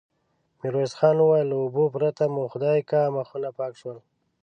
ميرويس خان وويل: له اوبو پرته مو خدايکه مخونه پاک شول.